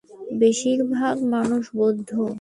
বেশীরভাগ মানুষ বৌদ্ধ।